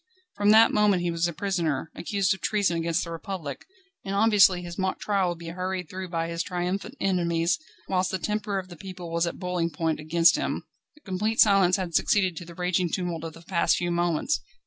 From that moment he was a prisoner, accused of treason against the Republic, and obviously his mock trial would be hurried through by his triumphant enemies, whilst the temper of the people was at boiling point against him. Complete silence had succeeded to the raging tumult of the past few moments.